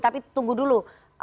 tapi tunggu dulu